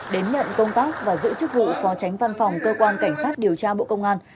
đến nhận công tác và giữ chức vụ phó tránh văn phòng cơ quan cảnh sát điều tra bộ công an